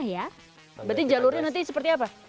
berarti jalurnya nanti seperti apa